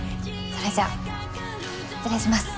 それじゃあ失礼します。